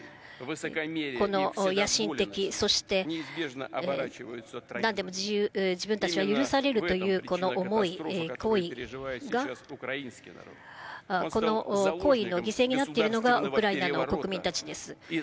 この野心的、そして、なんでも自分たちは許されるというこの思い、行為が、この行為の犠牲になっているのがウクライナの国民たちです。